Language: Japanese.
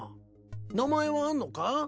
名前はあんのか？